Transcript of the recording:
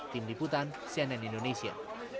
tim diputan cnn indonesia